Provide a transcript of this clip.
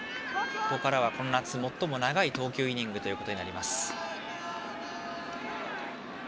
ここからはこの夏、最も長い投球イニングとなります。